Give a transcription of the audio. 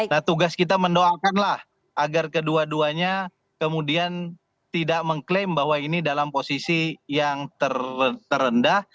nah tugas kita mendoakanlah agar kedua duanya kemudian tidak mengklaim bahwa ini dalam posisi yang terendah